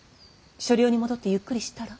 所領に戻ってゆっくりしたら。